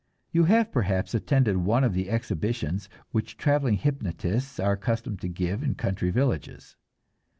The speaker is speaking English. You have perhaps attended one of the exhibitions which traveling hypnotists are accustomed to give in country villages.